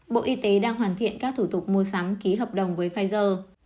bộ y tế đang hoàn thiện các thủ tục mua sắm ký hợp đồng với pfizer